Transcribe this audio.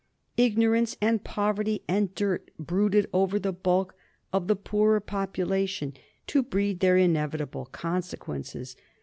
Ignorance, and poverty, and dirt brooded over the bulk of the poorer population, to breed their inevitable consequences.